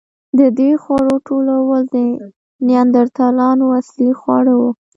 د دې خوړو ټولول د نیاندرتالانو اصلي خواړه وو.